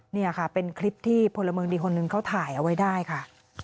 นี่ค่ะเป็นคลิปที่พลเมืองดีคนหนึ่งเขาถ่ายเอาไว้ได้ค่ะ